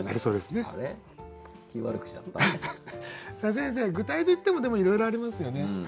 先生具体といってもでもいろいろありますよね。